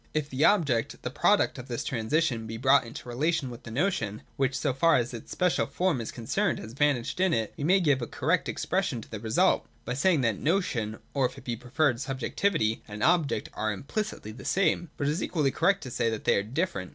If the Object, the product of this transition, be brought into relation with the notion, which, so far as its special form is concerned, has vanished in it, we may give a correct expression to the result, by saying that notion (or, if it be preferred, subjectivity) and object are im plicitly the same. But it is equally correct to say that they are different.